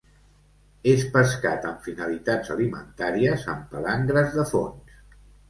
És pescat amb finalitats alimentàries amb palangres de fons.